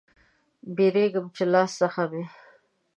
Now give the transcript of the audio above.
بیریږم چې له لاس څخه مې